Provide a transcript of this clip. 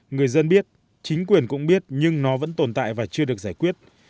người dân biết chính quyền cũng biết nhưng nó vẫn tồn tại và chưa được giải quyết